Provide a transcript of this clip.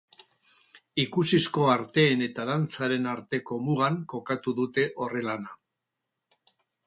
Ikusizko arteen eta dantzaren arteko mugan kokatu dute horren lana.